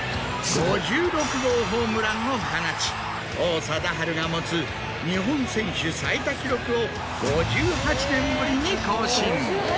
５６号ホームランを放ち王貞治が持つ日本選手最多記録を５８年ぶりに更新。